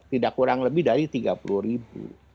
tidak kurang lebih dari rp tiga puluh